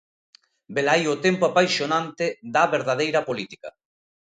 Velaí o tempo apaixonante da verdadeira política.